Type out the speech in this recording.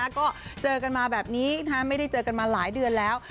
ก็เจอกันมาแบบนี้ไม่ได้เจอกันมาหลายเดือนแล้ว